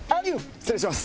失礼します。